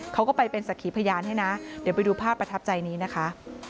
เขาก็ไปเป็นสักขีพยานให้นะเดี๋ยวไปดูภาพประทับใจนี้นะคะ